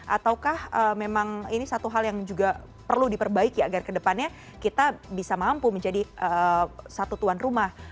ataukah memang ini satu hal yang juga perlu diperbaiki agar kedepannya kita bisa mampu menjadi satu tuan rumah